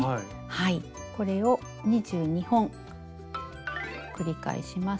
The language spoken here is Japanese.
はいこれを２２本繰り返します。